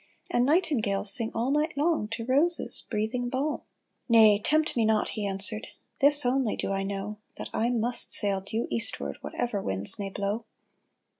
And nightingales sing all night long To roses breathing balm." 364 SEALED ORDERS *' Nay, tempt me not," he answered, " This only do I know, That I must sail due eastward Whatever winds may blow